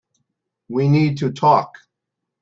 We need to talk.